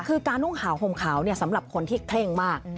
คือการนุ่งขาวห่มขาวสำหรับคนที่เคร่งมาก